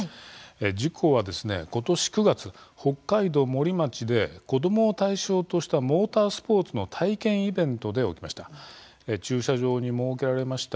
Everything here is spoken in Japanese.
事故は今年９月北海道森町で子どもを対象としたモータースポーツの体験イベントで起きました。